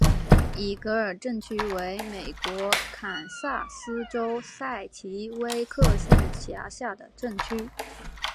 伊格尔镇区为美国堪萨斯州塞奇威克县辖下的镇区。